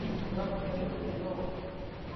รักเมียที่สุดในโลก